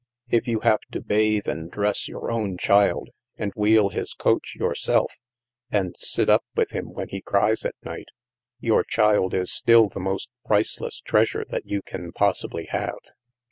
If you have to bathe and dress your own child, and wheel his coach yourself, and sit up with him when he cries at night, your child is still the most priceless treasure that you can possibly have.